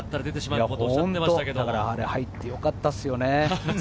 あれ、入ってよかったですよね。